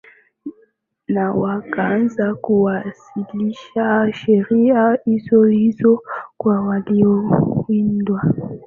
na wakaanza kuwasilisha sheria hizo hizo kwa walioshindwa